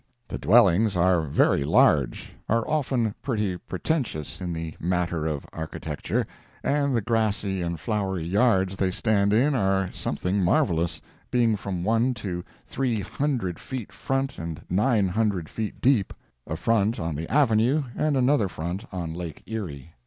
The dwellings are very large, are often pretty pretentious in the matter of architecture, and the grassy and flowery "yards" they stand in are something marvellous—being from one to three hundred feet front and nine hundred feet deep!—a front on the avenue and another front on Lake Erie.